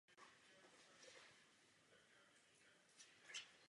Gól se mu vstřelit nepodařilo.